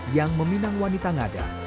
yang meminang wanita ngada